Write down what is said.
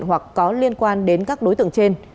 hoặc có liên quan đến các đối tượng trên